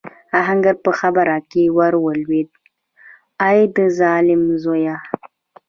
آهنګر په خبره کې ور ولوېد: اې د ظالم زويه!